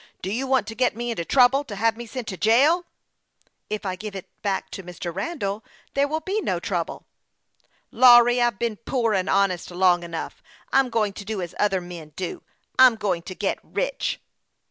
Do you want to get me into trouble to have me sent to jail ?"" If I give it back to Mr. llandall, there will be no trouble." " Lawry, I've been poor and honest long enough. I'm going to do as other men do. I'm going to get rich."